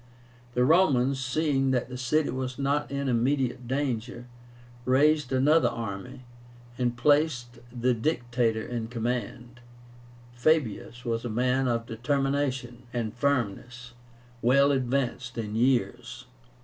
The Romans, seeing that the city was not in immediate danger, raised another army, and placed the Dictator in command. Fabius was a man of determination and firmness, well advanced in years.